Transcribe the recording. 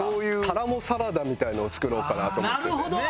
タラモサラダみたいなのを作ろうかなと思ってて。